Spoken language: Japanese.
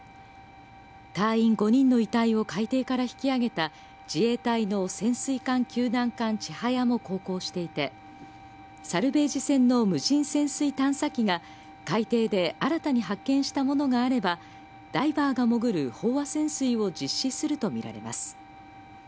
隊員５人の遺体を海底から引き上げた自衛隊の潜水艦救難艦ちはやも航行していて、サルベージ船の無人潜水探査機が海底で新たに発見したものがあれば、ダイバーが潜る飽和潜水を実施すると見られます。